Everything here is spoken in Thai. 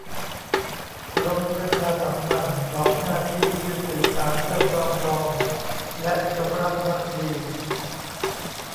กรมประชาสัมพันธ์ บอกหน้าที่คือสื่อสารเพื่อ ปรองดอง และ จงรักภักดี